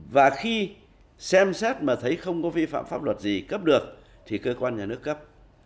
và khi xem xét mà thấy không có vi phạm pháp luật gì cấp được thì cơ quan nhà nước cấp